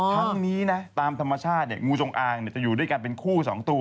ทั้งนี้นะตามธรรมชาติเนี่ยงูจงอางเนี่ยจะอยู่ด้วยกันเป็นคู่สองตัว